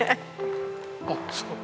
あっすごい。